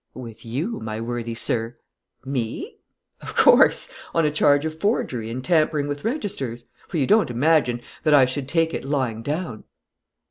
"With you, my worthy sir." "Me?" "Of course: on a charge of forgery and tampering with registers. For you don't imagine that I should take it lying down."